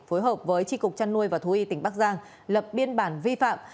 phối hợp với tri cục chăn nuôi và thú y tỉnh bắc giang lập biên bản vi phạm